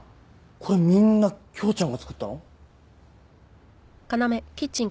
これみんなキョウちゃんが作ったの？